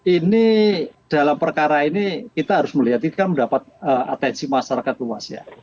ini dalam perkara ini kita harus melihat ini kan mendapat atensi masyarakat luas ya